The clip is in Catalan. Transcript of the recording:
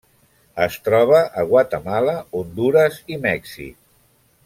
Es troba a Guatemala, Hondures i Mèxic.